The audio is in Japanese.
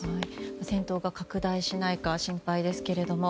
戦闘が拡大しないか心配ですけども。